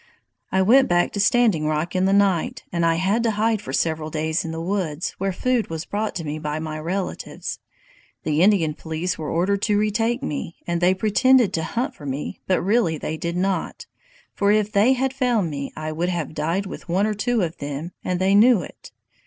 "I went back to Standing Rock in the night, and I had to hide for several days in the woods, where food was brought to me by my relatives. The Indian police were ordered to retake me, and they pretended to hunt for me, but really they did not, for if they had found me I would have died with one or two of them, and they knew it!